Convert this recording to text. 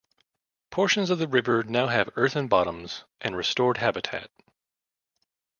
Portions of the river now have earthen bottoms and restored habitat.